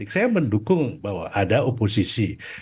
saya mendukung bahwa ada oposisi